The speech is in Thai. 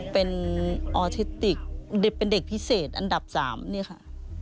เป็นออทิติกเด็กเป็นเด็กพิเศษอันดับ๓นี่ค่ะ